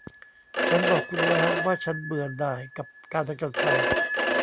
ฉันบอกคุณแล้วว่าฉันเบื่อหน่ายกับการผจญภัย